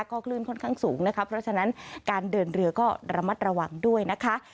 ก็คลื่นค่อนข้างสูงนะคะเพราะฉะนั้นการเดินเรือก็ระมัดระวังด้วยนะคะ